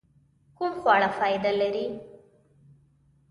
کوم خواړه فائده لري؟